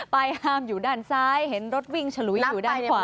ห้ามอยู่ด้านซ้ายเห็นรถวิ่งฉลุยอยู่ด้านขวา